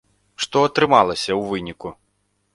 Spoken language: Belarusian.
Што атрымалася ў выніку?